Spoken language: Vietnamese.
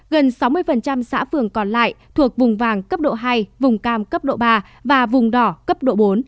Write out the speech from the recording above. gần sáu mươi xã phường còn lại thuộc vùng vàng cấp độ hai vùng cam cấp độ ba và vùng đỏ cấp độ bốn